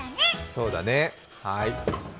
そうだね、はい。